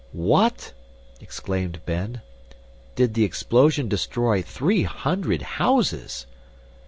"What!" exclaimed Ben. "Did the explosion destroy three hundred houses!"